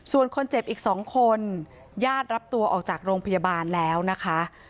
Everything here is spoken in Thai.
ส่วนคนเจ็บอีก๒คนญาติรับตัวออกจากโรงพยาบาลแล้วนะคะ